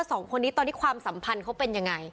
ตอนที่ความสัมพันธ์เค้าเป็นยังไง